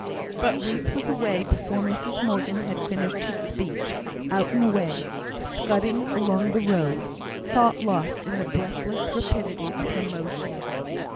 But Ruth was away before Mrs Morgan had finished her speech, out and away, scudding along the road, thought lost in the breathless rapidity of her motion.